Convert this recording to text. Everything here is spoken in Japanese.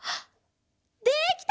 できた！